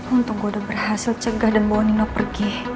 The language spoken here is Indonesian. untung gue udah berhasil cegah dan bawa nino pergi